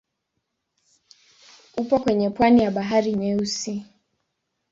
Upo kwenye pwani ya Bahari Nyeusi.